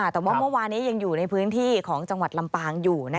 แต่ว่าเมื่อวานี้ยังอยู่ในพื้นที่ของจังหวัดลำปางอยู่